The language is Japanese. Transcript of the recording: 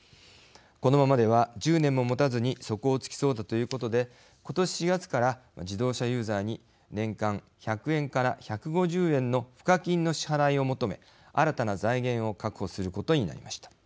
このままでは１０年ももたずに底をつきそうだということで今年４月から自動車ユーザーに年間１００円から１５０円の賦課金の支払いを求め新たな財源を確保することになりました。